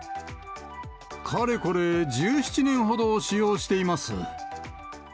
かれこれ１７年ほど使用しています。